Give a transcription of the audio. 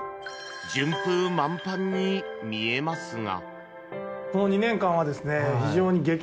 順風満帆に見えますが。